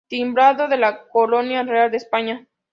Timbrado de la Corona Real de España.